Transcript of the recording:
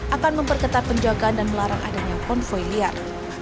akan memperketat penjagaan dan melarang adanya konvoy liar